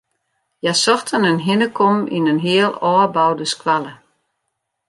Hja sochten in hinnekommen yn in heal ôfboude skoalle.